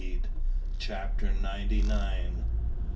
CHAPTER NINETY NINE.